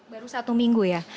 baru satu minggu ya